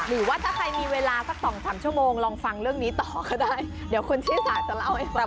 หรือว่าถ้าใครมีเวลาสักสองสามชั่วโมงลองฟังเรื่องนี้ต่อก็ได้เดี๋ยวคุณชิสาจะเล่าให้ฟัง